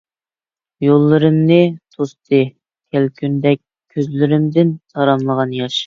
يوللىرىمنى توستى كەلكۈندەك، كۆزلىرىمدىن تاراملىغان ياش.